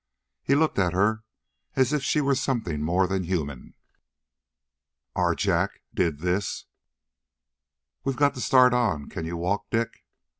He looked at her as if she were something more than human. "Our Jack did this?" "We've got to start on. Can you walk, Dick?"